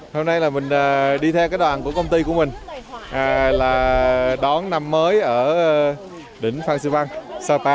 hôm nay là mình đi theo cái đoàn của công ty của mình là đón năm mới ở đỉnh phan xipang sapa